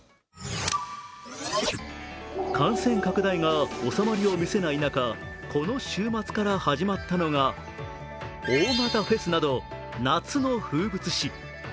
感染拡大が収まりを見せない中この週末から始まったのが大型フェスなど夏の風物詩。